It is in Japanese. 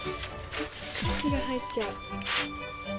空気が入っちゃう。